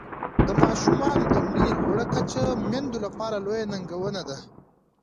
د ماشومانو د مړینې لوړه کچه میندو لپاره لویه ننګونه ده.